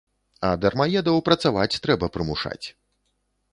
А дармаедаў працаваць трэба прымушаць.